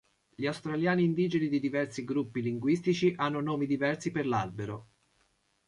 Gli australiani indigeni di diversi gruppi linguistici hanno nomi diversi per l'albero.